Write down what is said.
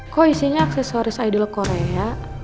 kok isinya aksesoris idol korea